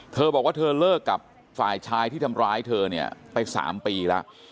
เธอบอกว่าเธอเลิกกับฝ่ายชายที่ทำร้ายเธอเนี่ยไป๓ปีแล้ว